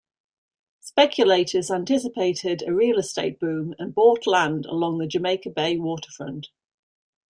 Speculators anticipated a real estate boom and bought land along the Jamaica Bay waterfront.